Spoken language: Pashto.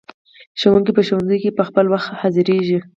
ښوونکي په ښوونځیو کې په خپل وخت حاضریږي.